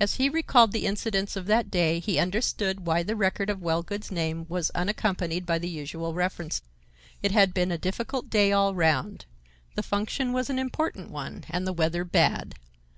As he recalled the incidents of that day he understood why the record of Wellgood's name was unaccompanied by the usual reference. It had been a difficult day all round. The function was an important one, and the weather bad.